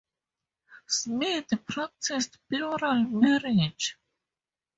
Smith practiced plural marriage.